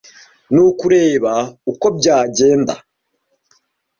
ni ukureba uko byagenda